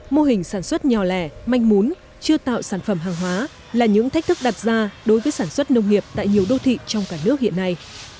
mô hình sản xuất nhỏ lẻ manh mún chưa tạo sản phẩm hàng hóa là những thách thức đặt ra đối với sản xuất nông nghiệp tại nhiều đô thị trong cả nước hiện nay